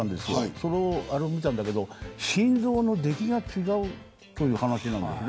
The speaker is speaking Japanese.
それを見たんだけど心臓の出来が違うという話だったんですよね。